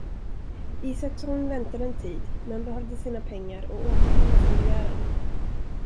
Isaksson väntade en tid, men behövde sina pengar och återkom med sin begäran.